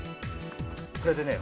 これでね